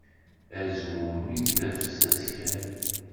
Azmumeg d afessas kan.